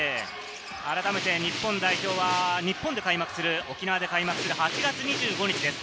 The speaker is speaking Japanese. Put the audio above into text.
改めて日本代表は日本で開幕する沖縄で開幕する８月２５日です。